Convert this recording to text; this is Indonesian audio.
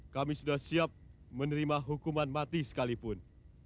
kami sudah siap menerima hukuman mati sekalipun